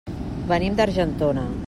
Venim d'Argentona.